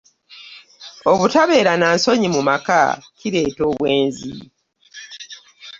Obutabeera na nsonyi mu maka kireeta obwenzi